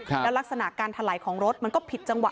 แล้วลักษณะการถลายของรถมันก็ผิดจังหวะ